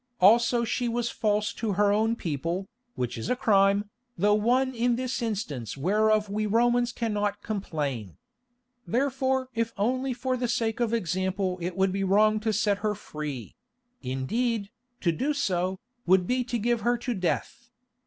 Also she was false to her own people, which is a crime, though one in this instance whereof we Romans cannot complain. Therefore, if only for the sake of example it would be wrong to set her free; indeed, to do so, would be to give her to death.